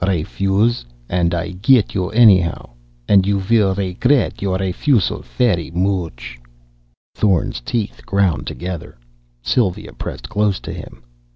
Refuse, and I get you anyhow, and you will regret your refusal fery much." Thorn's teeth ground together. Sylva pressed close to him.